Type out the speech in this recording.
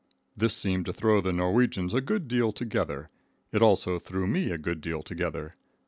This seemed to throw the Norwegians a good deal together. It also threw me a good deal together.